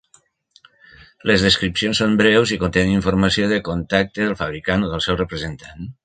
Les descripcions són breus i contenen informació de contacte del fabricant o del seu representant.